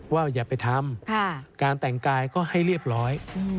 อย่าไปทำการแต่งกายก็ให้เรียบร้อย